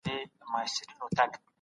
ژوند په حرکت کي دی.